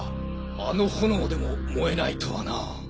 あの炎でも燃えないとはなぁ。